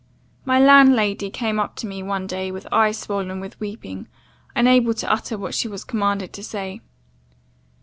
My landlady came up to me one day, with eyes swollen with weeping, unable to utter what she was commanded to say.